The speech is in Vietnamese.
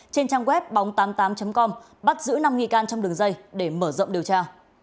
trên trang web bóng tám mươi tám com bắt giữ năm nghi can trong đường dây để mở rộng điều tra